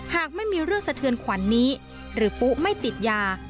หากไม่มีเรื่องสะเทือนขวัญนี้หรือปุ๊ไม่ติดยา